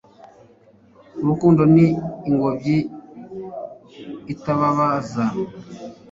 Urukundo ni ingobyi itababaza